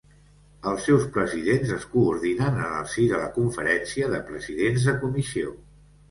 Els seus presidents es coordinen en el si de la Conferència de Presidents de Comissió.